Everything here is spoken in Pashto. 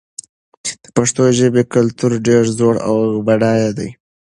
د پښتو ژبې کلتور ډېر زوړ او بډای دی.